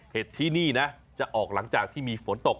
ที่นี่นะจะออกหลังจากที่มีฝนตก